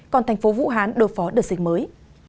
còn thành phố vũ hán đột phó đợt dịch mới